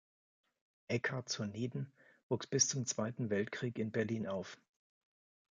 Eckart zur Nieden wuchs bis zum Zweiten Weltkrieg in Berlin auf.